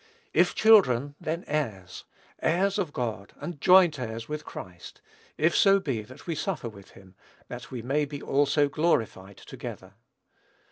"If children, then heirs, heirs of God, and joint heirs with Christ; if so be that we suffer with him, that we may be also glorified together."